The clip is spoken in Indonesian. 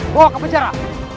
bawa ke penjara